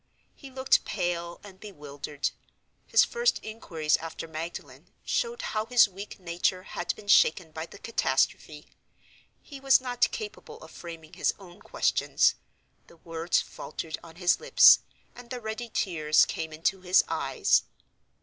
He looked pale and bewildered. His first inquiries after Magdalen showed how his weak nature had been shaken by the catastrophe. He was not capable of framing his own questions: the words faltered on his lips, and the ready tears came into his eyes.